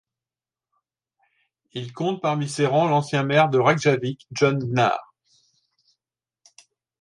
Il compte parmi ses rangs l'ancien maire de Reykjavik, Jón Gnarr.